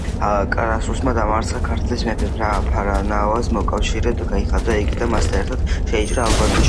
კრასუსმა დაამარცხა ქართლის მეფე ფარნავაზი, მოკავშირედ გაიხადა იგი და მასთან ერთად შეიჭრა ალბანეთში.